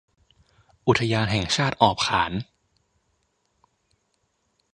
อุทยานแห่งชาติออบขาน